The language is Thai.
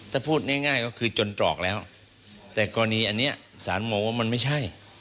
ถ้าพูดง่ายก็คือจนตรอกแล้วแต่กรณีอันนี้สารมองว่ามันไม่ใช่